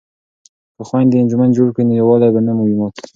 که خویندې انجمن جوړ کړي نو یووالی به نه وي مات.